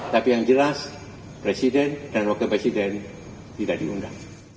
tapi yang jelas presiden dan wakil presiden tidak diundang